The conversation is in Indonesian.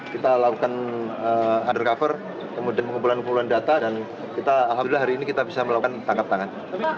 kita lakukan undercover kemudian pengumpulan pengumpulan data dan kita alhamdulillah hari ini kita bisa melakukan tangkap tangan